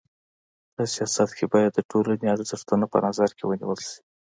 په سیاست کي بايد د ټولني ارزښتونه په نظر کي ونیول سي.